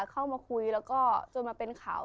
เข้ามาคุยแล้วก็จนมาเป็นข่าว